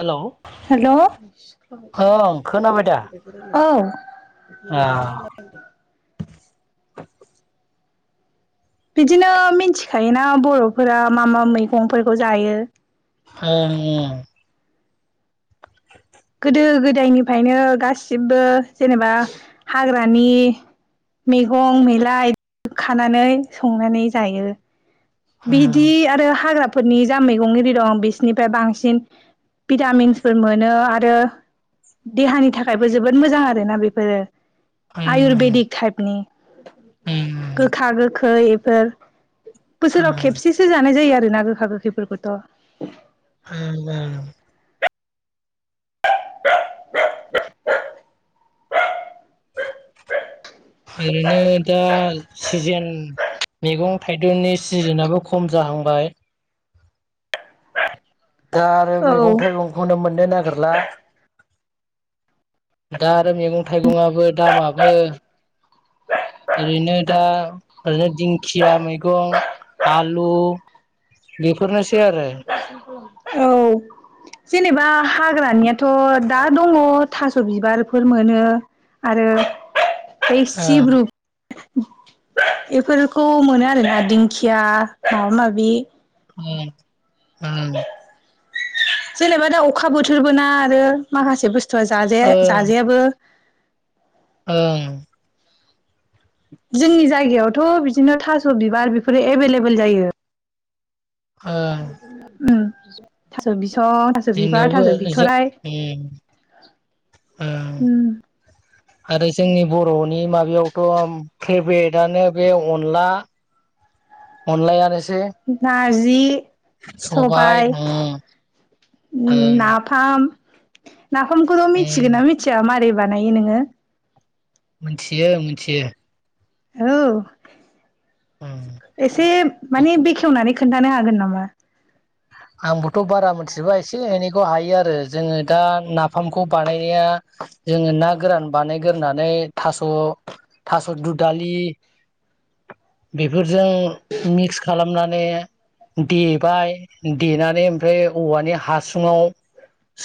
Hello ओं खोनाबाय दा हेल'। आ औ। बिदिनो मिथिखायोना बर'फोरा मा मा मैगंफोरखौ जायो? ओं ओं गोदो गोदायनिफ्रायनो गासिबो जेनोबा हाग्रानि मैगं मैला खानानै संनानै जायो। बिदि आरो हाग्राफोरनि जा मैगं आरि दं बिसिनिफ्राय बांसिन भिटामिन्सफोर मोनो आरो देहानि थाखायबो जोबोद मोजां आरोना बेफोरो। ओं आयुरवेदिक ओं टाइपनि ओं गोखा गोख फै बेफोर बोसोराव ओं खेबसेसो जानाय जायो आरोना गोखा गोखैफोरखौथ'। ओं ओरैनो दा सिजेन मैगं थाइगंनि सिजोनाबो खम जाहांबाय दा आरो मैगं थाइगंखौनो मोननो नागिरला दा आरो मैगं थाइगंआबो दामाबो ओरैनो दा ओरैनो दिंखिया मैगं आलु बेफोरनोसै आरो। जेनोबा हाग्रानियाथ' दा दङ थास' बिबारफोर मोनो आरो बै ओं सिब्रु बेफोरखौ मोनो आरोना दिंखिया माबा माबि उम। जेनोबा दा अखा बोथोरबो ना आरो माखासे बुस्थुआ जाजाया ओं जाजेयाबो। ओं। जोंनि जायगायावथ' बिदिनो थास' बिबार बेफोरो एभेलेबेल जायो। ओं उम थास' बिस ओ थास' बिबार जोंनियावबो थास' जो बिथराय उम ओ उम। आरो जोंनि बर'नि माबायावथ' फेभरेटआनो बे अनला अनला यानोसै नाजि सबाय सबायाइ। उम उम ओं नाफाम नाफामखौथ' उम मिथिगोना मिथिया मारै बानायो नोङो। मिनथियो मिथियो। हेलौ उम एसे माने बेखेवनानै खोनथानो हागोन नामा? आंबोथ' बारा मिनथिजोबा एसे एनैखौ हायोआरो जोङो दा नाफामखौ बानायनाया जोङो ना गोरान बानायग्रोनानै थास' थास' दुदालि बेफोरजों मिक्स खालामनाने देबाय देनानै ओमफाय औवानि हासुङाव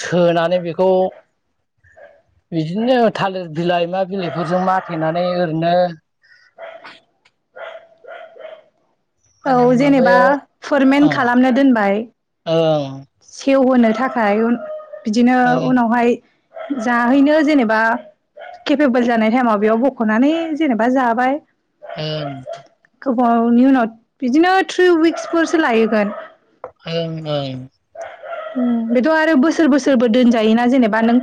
सोनानै बेखौ बिदिनो थालिर बिलाइ मा बिलाइ फोरजों माथेनानै ओरैनो [inaudible] माने औ जेनेबा माबायाव फोरमेन ओं खालामनो दोनबाय से ओं सेेवहोनो थाखाय उन बिदिनो ओं उनावहाय जाहैनो जेनेबा खेफेबोल जानाय थायेमाव बेयाव बखनानै जेनेबा जाबाय। ओं गोबावावनि उनाव बिदिनो थ्रि उयिकस फोरसो लाहैगोन। उम उम। उम बेथ' आरो बोसोर बोसोरबो दोनजायोना जेनेबा नों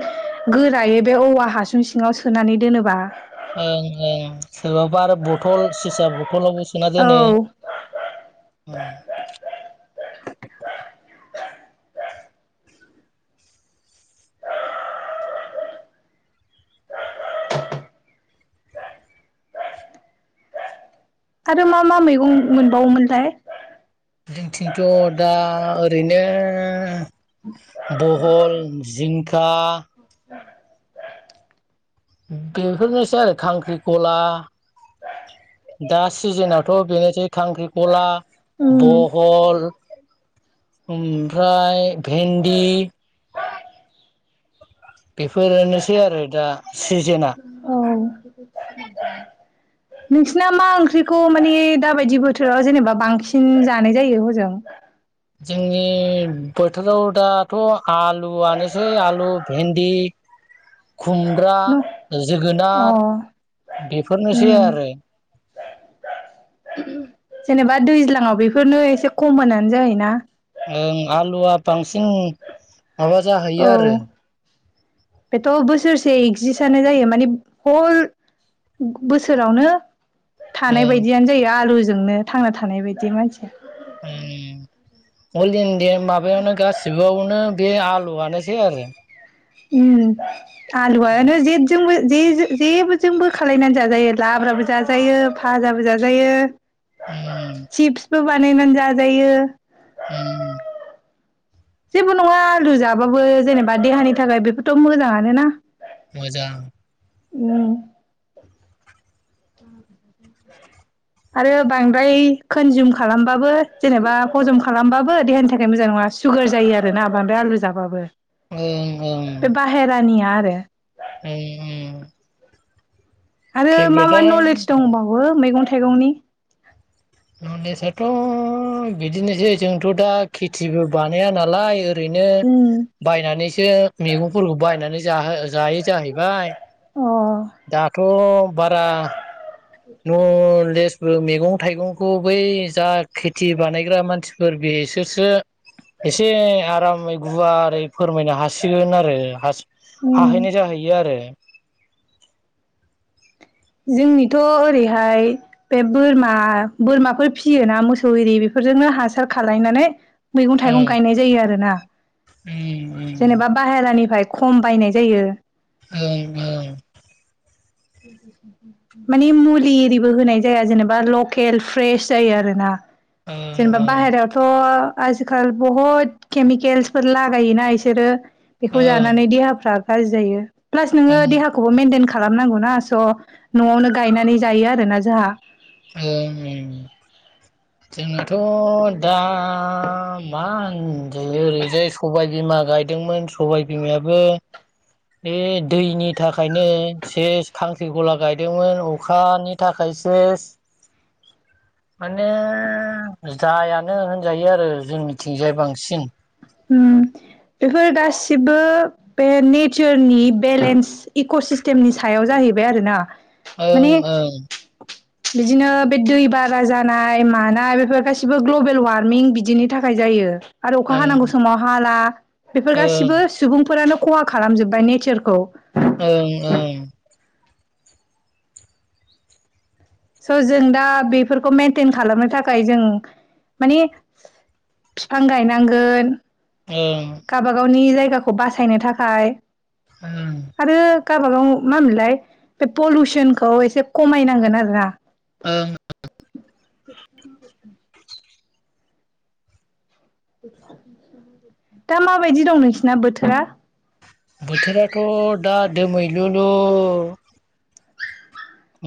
गोरायै बे औवा हासुं सि सिङाव सोनानै दोनोबा। ओं ओं सोरबाबा आरो बथल सिसा ब थलावबो औ सोनादोनो। आरो मा मा मैगं मोनबावोमोनथाय जोंथिंथ' दा ओरैनो। बहल जिंका [inaudible] गोहोरनोसै आरो खांख्रिखला दा सिजेनावथ' बेनोसै खांख्रिखला उम बहल ओमफ्राय फेनदि बेफोरोनोसै आरो दा। सिजेना औ। नोंसिना मा ओंख्रिखौ मानि दाबायदि बोथोराव जेनेबा बांसिन जानायजायो हजों। जोंनि बोथोराव दाथ आलुआनोसै आलु भेन्दि [inaudible] खुमब्रा न' अ जोगोनार उम बेफोरनोसै आरो [inaudible] जेनेबा दैज्लाङाव बेफोरनो एसे कमोन आनो जाहैना ओं आलुआ बांसिन माबा जाहैयो औ आरो। बेथ' बोसोरसे एक्जिस आनो जायो मानि बल बोसोरावनो। थानाय ओं बायदियानोजायो आलुजोंनो थांनाथानाय बायदि मानसिया ओम अल इन्दिआ माबायावनो गासिबोआवनो बे आलु आनोसै आरो उम आलुुआनो जेदजोंबो बे जे जेबोजोंबो खालायनानै जाजायो लाब्राबो जाजायो भाजाबो जाजायो। ओम चिपस बो बानायनानै जाजायो। उम। जेबो नङा आलु जाबाबो जेनेबा देहानि थाखाय बेफोरथ मोजाङानोना। मोजां। उम। आरो बांद्राय कनजुम खालामबाबो जेनेबा हजम खालामबाबो देहानि थाखाय मोजां नङा। सुगार जायो आरो ना बांद्राय आलु जाबा। ओं ओं [unintelligible] ओम आरो मा मा नलेज दंबावो मैगं थाइगंनि नलेजआथ' बिदिनोसै जोंथ' दा खेथिबो बानाया नालाय ओरैनो बायनानैसो मैगंफोरखौ बायनानैसो जाहो जायो जाहैबाय अ दाथ' बारा न' लेसबो मैगं थाइगंखौ बै जा खेथि बानायग्रा मानसिफोर बे बिसोरसो एसे आरामै गुवारै फोरमायनो हासिगोन आरो हास हाहैनाय जाहैयो आरो जोंनिथ' ओरैहाय बे बोरमा बोरमाफोर फियोना मोसौ एरि बेफोर जोंनो हासार खालायनानै मैगं थाइगं ओं गायनाय जायो आरोना उम जेनेबा बाहेरानिफ्राय खम बायनाय जायो ओं ओं माने मुलि एरिबो होनाय जाया जेनेबा लकेल फ्रेश जायो आरोना ओं जेनेबा ओं बाहेरायावथ' आजिखाल बहुद केमिकेलसफोर लागायोना इसोरो बेखौ ओं जानानै देहाफ्रा गाज्रि जायो प्लास ओं नोङो देहाखौबो मेेनटेन खालामनांगौ ना स' न'आवनो गायनानै जायो आरोना जोंहा ओं ओं जोंनाथ' दा मा होन ओरैजाय सबाय बिमा गायदोंमोन सबाय बिमायाबो बे दैनि थाखायनो सेस खांख्रिखला गायदोंमोन अखानि थाखाय सेस माने जायानो होनजायो आरो जोंनि थिंजाय बांसिन ओम बेफोर गासिबो बे नेचारनि बेलेन्स इक' सिस्टेमनि सायाव जाहैबाय आरो ना ओं ओं बिदिनो बे दै बारा जानाय मानाय बेफोर गासिबो ग्लबेल वार्मिं बिदिनि थाखाय जा जायो आरो अखा हानांगौ ओं समाव हाला बेफोर गासिबो ओं सुबुंफोरानो खहा खालामजोब्बाय नेचारखौ ओं ओं स' जों दा बेफोरखौ मइेनटेन खालामनो थाखाय जों मानि बिफां गायनांगोन ओं गावाबागावनि जायगाखौ बासायनो थाखाय ओं गावबागाव मा होनो मोनलाय बे पलुउसनखौ एसे खमायनांगोन आरोना ओं दा माबायदि दं नोंसिना बोथोरा बोथोराथ' दा दोमैलु लु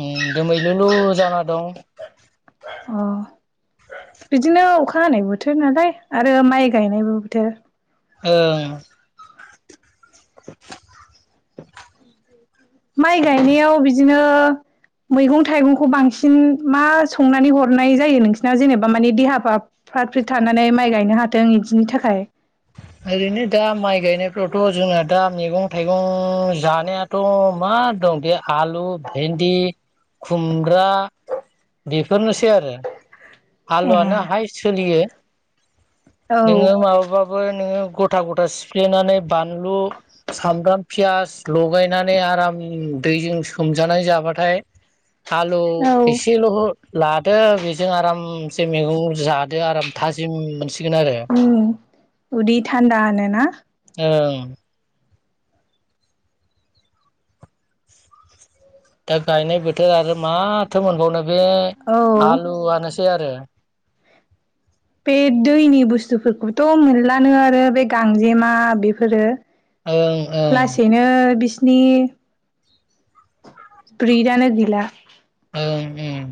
ओ दोमैलुलु जाना दं अ बिदिनो अखा हानाय बोथोर नालाय आरो माइ गायनायबो बोथोर ओं माइ गायनायाव बिदिनो मैगं थाइगंखौ बांसिन मा संनानै हरनाय जायो नोंसिना जेनेबा माने देहा फा फ्रात फ्रिथ थानानै माइ गायनो हाथों इदिनि थाखाय [inaudible] ओरैनो दा माइ गायनायफ्रावथ' जोंना दा मैगं थाइगं जानायाथ' मा दं दे आलु भेन्दि खुमब्रा बेफोरनोसै आरो आलुआनो हायस सोलियो औ नोङो माबाबा नोङो गथा गथा सिफ्लेनानै बानलु सामब्राम पियास लगायनानै आरा म दैजों सोमजानाय जाबाथाय आलु औ एसेल' लादो बेजों आरामसे मैगं जा दो आराम थाजिम मोनसिगोन आरो उम उदै थान्दा नो ना? ओं दा गायनाय बोथोर आरो मा? थो मोनबावनो बे औ आलु आनोसै आरो। बे दैनि बुस्थुफोरखौथ' मोनलानो आरो बे गांजेमा बेफोरो ओं ओं लासैनो बिसिनि फ्रिडानो गैला‌ ओं उम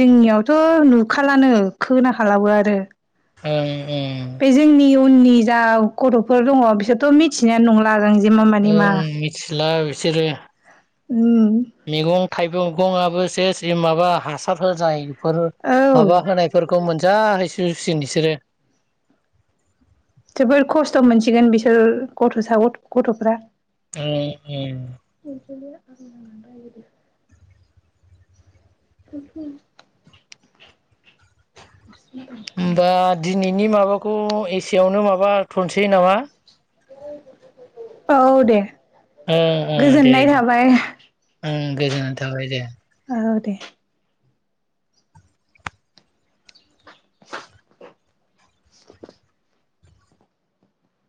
जोंनियावथ' नुखालानो खोनाखालाबो आरो ओं ओं बे जोंनि उननि जा गथ'फोर दङ बिसोरथ' मिथिनायानो नंला जों जे मा मानि मा ओङ मिथिला बिसोरो उम मैगं थाइगं गंआबो सेस ए माबा हासार होजाय फोर औ माबा होनायफोरखौ मोनजाहैसुसिगोन बिसोरो जोबोर खस्थ' मोनसिगोन बिसोर गथ'सा ग गथ'फ्रा ओं ओं [unintelligible] [unintelligible] नि माबाखौ एसेयावनो माबा थनसै नामा? औ दे ओं ओं दे गोजोननाय दे थाबाय। ओं गोजोननाय थाबाय दे। औ दे